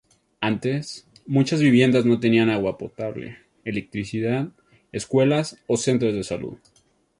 Antes, muchas viviendas no tenían agua potable, electricidad, escuelas o centros de salud.